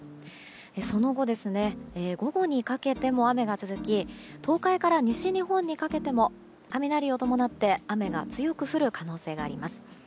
その後、午後にかけても雨が続き東海から西日本にかけても雷を伴って雨が強く降る可能性があります。